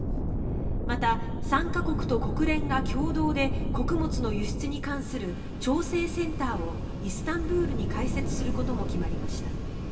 また、参加国と国連が共同で穀物の輸出に関する調整センターをイスタンブールに開設することも決まりました。